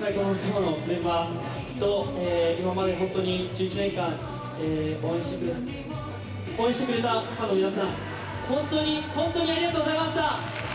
最高の仲間のメンバーと、今まで本当に１１年間、応援してくれたファンの皆さん、本当に本当にありがとうございました。